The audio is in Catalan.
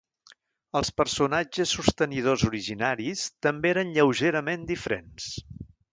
Els personatges sostenidors originaris també eren lleugerament diferents.